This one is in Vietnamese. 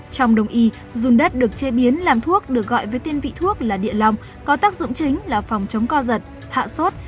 trong đồng y d dùng đất được chế biến làm thuốc được gọi với tiên vị thuốc là địa lòng có tác dụng chính là phòng chống co giật hạ sốt